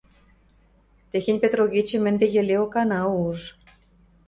– Тӹхень петрогечӹм ӹнде йӹлеок ана уж...